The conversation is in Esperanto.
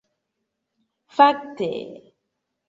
Fakte...